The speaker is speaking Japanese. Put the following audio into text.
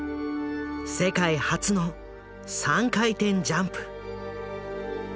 世界初の３回転ジャンプ。